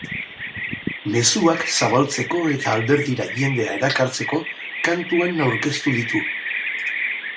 Mezuak zabaltzeko eta alderdira jendea erakartzeko kantuan aurkeztu ditu.